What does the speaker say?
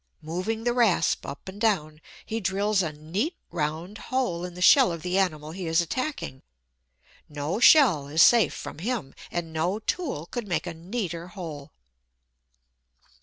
Moving the rasp up and down, he drills a neat round hole in the shell of the animal he is attacking. No shell is safe from him; and no tool could make a neater hole.